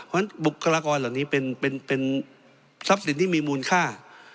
เพราะฉะนั้นบุคลากรเหล่านี้เป็นทรัพย์สินที่มีมูลค่า